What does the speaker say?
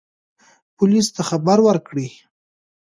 پولیس ته خبر ورکړئ.